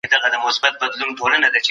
پروژي د جګړي په دوران کي په ټپه ولاړي وي.